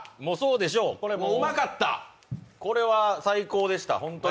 これは最高でした、本当に。